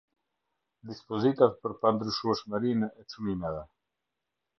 Dispozitat për pandryshueshmërinë e çmimeve.